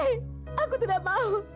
aku tidak mau